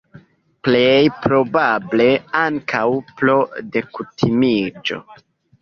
Plej probable, ankaŭ pro dekutimiĝo.